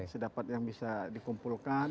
sedapat yang bisa dikumpulkan